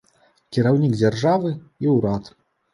Кіраўнік дзяржавы і ўрад!